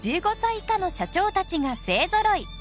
１５歳以下の社長たちが勢ぞろい。